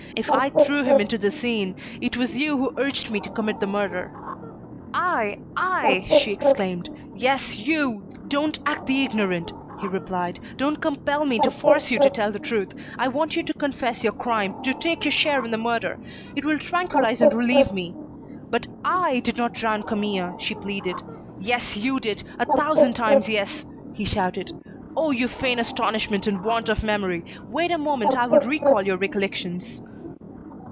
If I threw him into the Seine, it was you who urged me to commit the murder." "I! I!" she exclaimed. "Yes, you! Don't act the ignorant," he replied, "don't compel me to force you to tell the truth. I want you to confess your crime, to take your share in the murder. It will tranquillise and relieve me." "But I did not drown Camille," she pleaded. "Yes, you did, a thousand times yes!" he shouted. "Oh! You feign astonishment and want of memory. Wait a moment, I will recall your recollections."